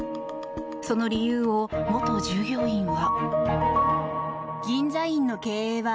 その理由を元従業員は。